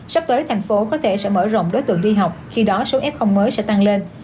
sắp tới thành phố có thể sẽ mở rộng đối tượng đi học khi đó số f mới sẽ tăng lên